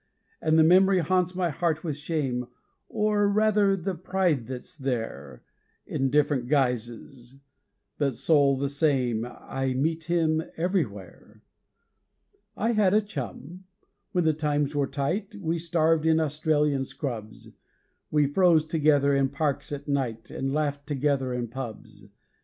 And the memory haunts my heart with shame Or, rather, the pride that's there; In different guises, but soul the same, I meet him everywhere. I had a chum. When the times were tight We starved in Australian scrubs; We froze together in parks at night, And laughed together in pubs.